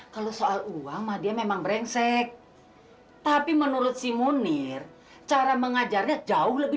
kalau soal uang dia memang brengsek tapi menurut si munir cara mengajarnya jauh lebih